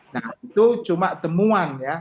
nah itu cuma temuan ya